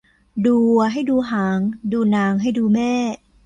ดูวัวให้ดูหาง ดูนางให้ดูแม่